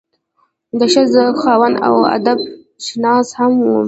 د ښۀ ذوق خاوند او ادب شناس هم وو